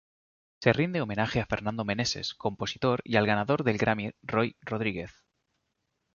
Se rinde homenaje a Fernando Meneses, compositor, y al ganador del Grammy Roy Rodríguez.